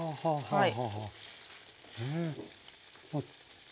はい。